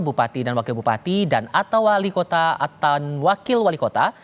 bupati dan wakil bupati dan atau wali kota atau wakil wali kota